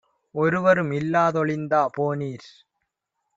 ஒருவரும் இல்லா தொழிந்தா போனீர்?